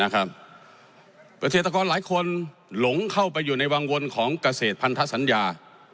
เกษตรกรหลายคนหลงเข้าไปอยู่ในวังวนของเกษตรพันธสัญญา